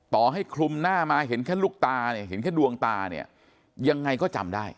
ต่อให้คลุมหน้ามาเห็นแค่ลูกตาเนี่ยเห็นแค่ดวงตาเนี่ยยังไงก็จำได้